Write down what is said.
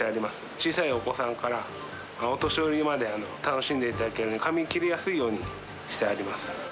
小さいお子さんからお年寄りまで楽しんでいただけるように、かみ切りやすいようにしてあります。